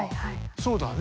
そうだね。